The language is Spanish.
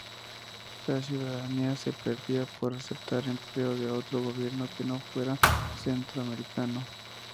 La ciudadanía se perdía por aceptar empleo de otro gobierno que no fuera centroamericano.